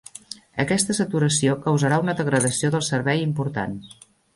Aquesta saturació causarà una degradació del servei important.